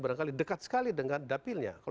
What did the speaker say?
berangkali dekat sekali dengan dapilnya kalau